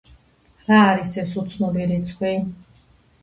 რა არის ეს უცნობი რიცხვი?